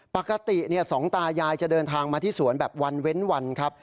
ปกติสองตายายจะเดินทางมาที่สวนแบบวันเว้นวันครับ